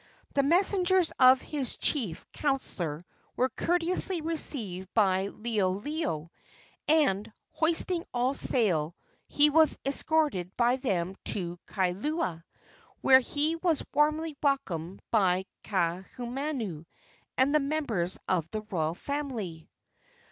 The messengers of his chief counselor were courteously received by Liholiho, and, hoisting all sail, he was escorted by them to Kailua, where he was warmly welcomed by Kaahumanu and the members of the royal family.